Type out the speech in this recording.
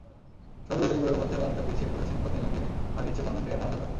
সহযোগী দেশগুলোর মধ্যেও অনেকটা পিছিয়ে পড়েছে, কদিন আগে হারিয়েছে ওয়ানডে মর্যাদা।